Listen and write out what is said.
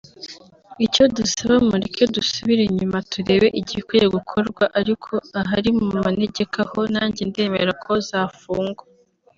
Icyo dusaba mureke dusubire inyuma turebe igikwiye gukorwa ariko ahari mu manegeka ho nanjye ndemera ko zafungwa